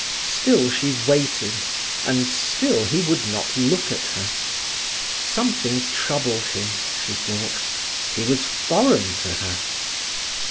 Still she waited, and still he would not look at her. Something troubled him, she thought. He was foreign to her.